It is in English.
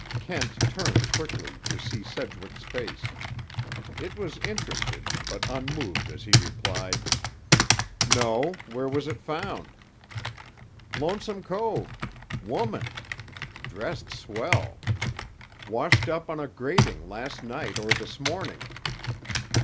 Kent turned quickly, to see Sedgwick's face. It was interested, but unmoved as he replied: "No. Where was it found?" "Lonesome Cove. Woman. Dressed swell. Washed up on a grating last night or this morning."